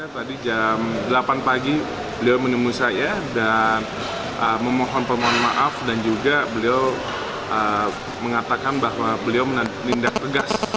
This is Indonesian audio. tadi jam delapan pagi beliau menemui saya dan memohon pemohon maaf dan juga beliau mengatakan bahwa beliau menindak tegas